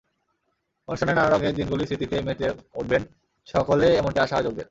অনুষ্ঠানে নানা রঙের দিনগুলির স্মৃতিতে মেতে উঠবেন সকলে এমনটি আশা আয়োজকদের।